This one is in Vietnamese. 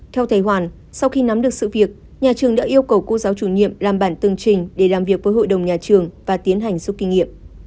theo thầy hoàn sau khi nắm được sự việc nhà trường đã yêu cầu cô giáo chủ nhiệm làm bản tường trình để làm việc với hội đồng nhà trường và tiến hành xúc kinh nghiệm